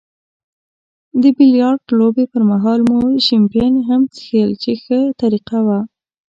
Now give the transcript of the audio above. د بیلیارډ لوبې پرمهال مو شیمپین هم څیښل چې ښه طریقه وه.